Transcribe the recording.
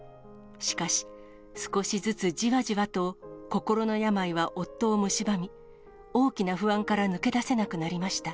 しかし、少しずつじわじわと、心の病は夫をむしばみ、大きな不安から抜け出せなくなりました。